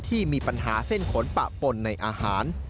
ที่มีปัญหาเส้นขนปะปนในอาหาร